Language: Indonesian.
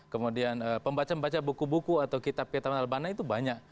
kemudian pembaca pembaca buku buku atau kitab kitab hasan al banna itu banyak